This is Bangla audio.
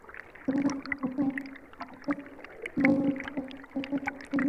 কেননা ঢাকায় বর্তমানে যেসব গণশৌচাগার রয়েছে, সেগুলোর বেশির ভাগের অবস্থাই শোচনীয়।